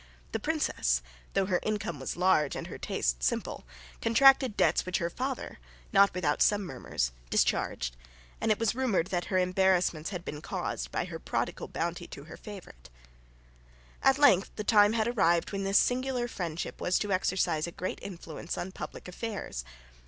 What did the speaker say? The Princess, though her income was large and her tastes simple, contracted debts which her father, not without some murmurs, discharged; and it was rumoured that her embarrassments had been caused by her prodigal bounty to her favourite. At length the time had arrived when this singular friendship was to exercise a great influence on public affairs.